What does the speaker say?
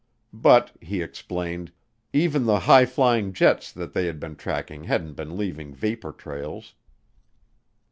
But, he explained, even the high flying jets that they had been tracking hadn't been leaving vapor trails.